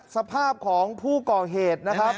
สภาพของผู้ก่อเหตุนะครับ